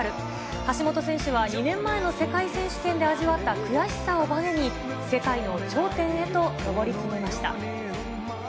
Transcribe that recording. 橋本選手は、２年前の世界選手権で味わった悔しさをばねに、世界の頂点へと上り詰めました。